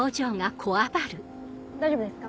大丈夫ですか？